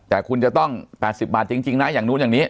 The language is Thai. แต่คุณจะต้อง๘๐บาทจริงนะอย่างนู้นอย่างนี้